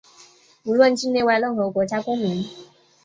无论境内外、任何国家公民